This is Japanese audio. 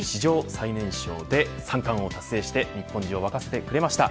史上最年少で三冠王を達成して日本中を沸かせてくれました。